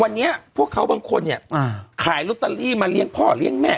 วันนี้พวกเขาบางคนเนี่ยขายลอตเตอรี่มาเลี้ยงพ่อเลี้ยงแม่